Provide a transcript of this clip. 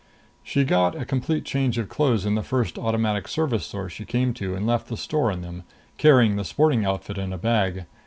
She got a complete change of clothes in the first Automatic Service store she came to and left the store in them, carrying the sporting outfit in a bag.